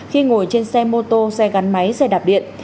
khi ngồi trên xe mô tô xe gắn máy xe đạp điện